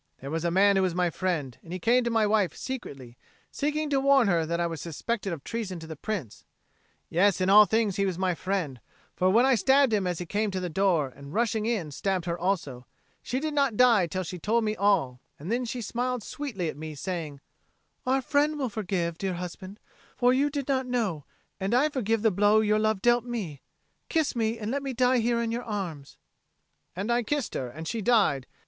There was a man who was my friend, and he came to my wife secretly, seeking to warn her that I was suspected of treason to the Prince: yes, in all things he was my friend; for when I stabbed him as he came to the door, and, rushing in, stabbed her also, she did not die till she had told me all; and then she smiled sweetly at me, saying, "Our friend will forgive, dear husband, for you did not know; and I forgive the blow your love dealt me: kiss me and let me die here in your arms." And I kissed her, and she died.